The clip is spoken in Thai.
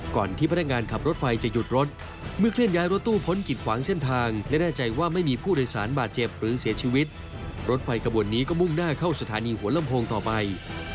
ที่พนักงานขับรถไฟจะหยุดรถเมื่อเคลื่อนย้ายรถตู้พ้นกิดขวางเส้นทางและแน่ใจว่าไม่มีผู้โดยสารบาดเจ็บหรือเสียชีวิตรถไฟขบวนนี้ก็มุ่งหน้าเข้าสถานีหัวลำโพงต่อไป